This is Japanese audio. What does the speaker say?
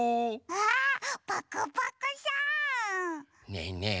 ねえねえ。